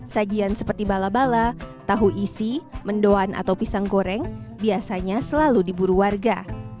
sajian seperti bala bala tahu isi mendoan atau pisang goreng biasanya selalu diburu warga